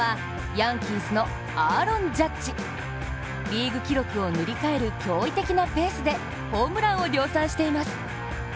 リーグ記録を塗り替える驚異的なペースでホームランを量産しています。